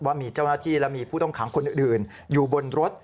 ว่ามีเจ้าหน้าที่และมีผู้ต้องขังคนอื่นอยู่บนรถ